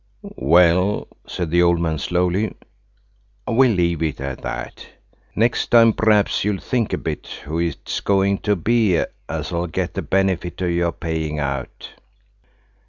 "Well," said the old man slowly, "we'll leave it at that. Next time p'r'aps you'll think a bit who it's going to be as'll get the benefit of your payings out."